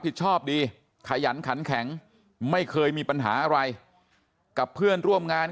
ชอบดีขยันขันแข็งไม่เคยมีปัญหาอะไรกับเพื่อนร่วมงาน